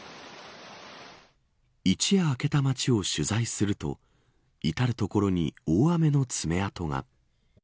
一夜明けた町を取材すると至る所に大雨の爪痕が。